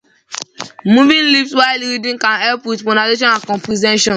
Moving lips while reading can help with pronunciation and comprehension.